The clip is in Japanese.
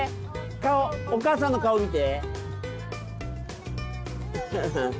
顔お母さんの顔を見て。